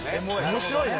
面白いね。